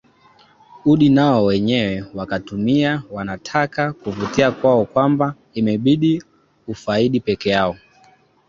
udi nao wenyewe wakatumia wanataka kuvutia kwao kwamba imebidi ufaidi pekeyao